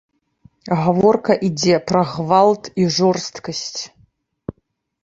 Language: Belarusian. Гаворка ідзе пра гвалт і жорсткасць.